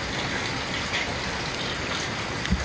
พร้อมทุกสิทธิ์